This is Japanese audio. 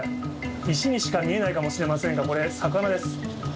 石にしか見えないかもしれませんが、これ、魚です。